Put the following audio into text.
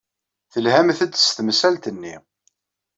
Telhamt-d s temsalt-nni.